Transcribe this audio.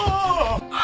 あ！